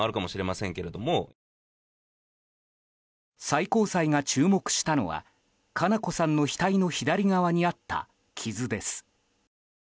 最高裁が注目したのは佳菜子さんの額の左側にあった傷です。